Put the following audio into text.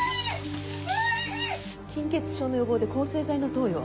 菌血症の予防で抗生剤の投与を。